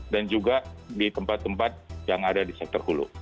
dan juga di tempat tempat yang ada di sektor hulu